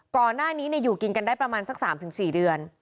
ก่อนหน้านี้อยู่กินกันได้ประมาณสัก๓๔เดือน